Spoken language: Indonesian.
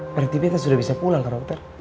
berarti betta sudah bisa pulang kan dokter